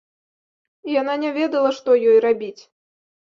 Яна не ведала, што ёй рабіць.